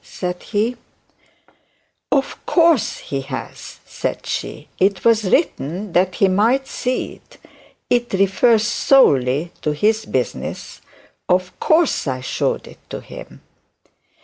said he. 'Of course he has,' said she; 'it was written that he might see it. It refers solely to his business of course I showed it to him.'